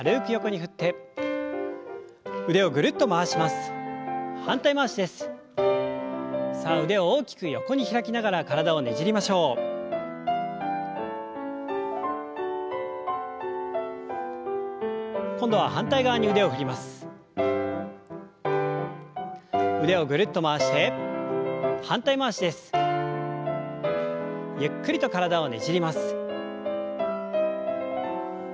ゆっくりと体をねじります。